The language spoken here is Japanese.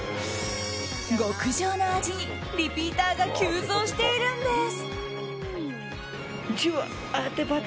極上の味にリピーターが急増しているんです。